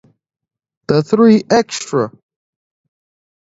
The three Xtra!